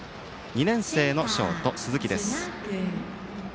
２年生のショート、鈴木。